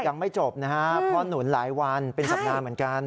ยังไม่จบนะครับเพราะหนุนหลายวันเป็นสัปดาห์เหมือนกัน